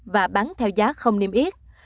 và bán theo giá không niêm yếp